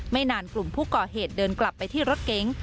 นานกลุ่มผู้ก่อเหตุเดินกลับไปที่รถเก๋ง